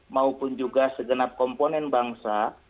maupun juga segenap komponen bangsa